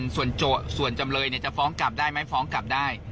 ส่วนจำเลยจะฟ้องกลับได้ไหมฟ้องกลับได้